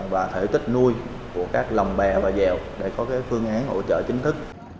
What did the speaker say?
và thể tích nuôi của các lòng bè và dèo để có cái phương án hỗ trợ chính thức